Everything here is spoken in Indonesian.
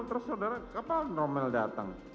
terus saudara ke mana romel datang